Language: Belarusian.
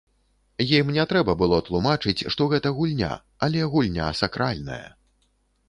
Ім не трэба было тлумачыць, што гэта гульня, але гульня сакральная.